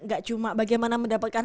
gak cuma bagaimana mendapatkan